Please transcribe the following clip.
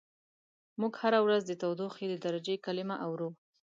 موږ هره ورځ د تودوخې د درجې کلمه اورو.